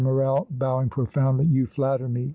Morrel, bowing profoundly, "you flatter me!